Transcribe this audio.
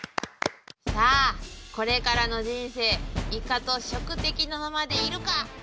さあこれからの人生イカと食敵のままでいるか？